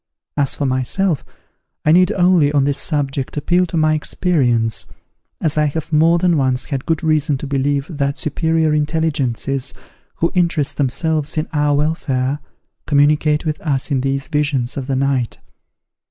As for myself, I need only, on this subject, appeal to my experience, as I have more than once had good reason to believe that superior intelligences, who interest themselves in our welfare, communicate with us in these visions of the night.